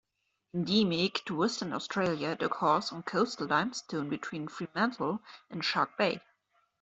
Endemic to Western Australia, it occurs on coastal limestone between Fremantle and Shark Bay.